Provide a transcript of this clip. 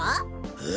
え？